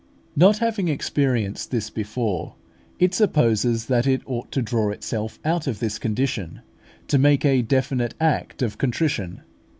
Not having experienced this before, it supposes that it ought to draw itself out of this condition to make a definite act of contrition.